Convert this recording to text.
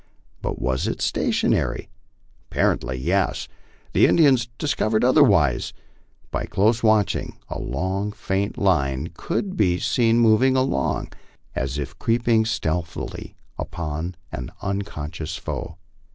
But was it stationary ? Apparently, yes. The Indians discovered otherwise. By close watching, the long faint line could be seen moving along, as if creeping stealthily upon an unconscious foe.